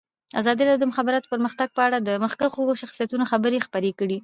ازادي راډیو د د مخابراتو پرمختګ په اړه د مخکښو شخصیتونو خبرې خپرې کړي.